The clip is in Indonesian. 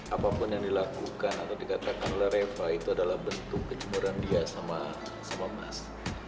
apapun yang dilakukan atau dikatakan oleh reva itu adalah bentuk kejemuran dia sama mas